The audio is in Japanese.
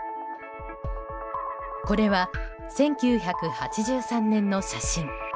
これは１９８３年の写真。